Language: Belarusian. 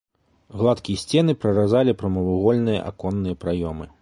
Гладкія сцены праразалі прамавугольныя аконныя праёмы.